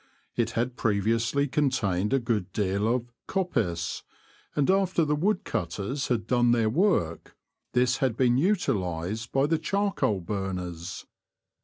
It had previously contained a good deal of '' coppice," and after the wood cutters had done their work, this had been utilized by the charcoal burners.